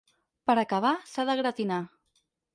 Per acabar, s’ha de gratinar.